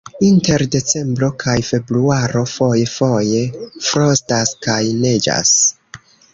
Inter decembro kaj februaro foje-foje frostas kaj neĝas.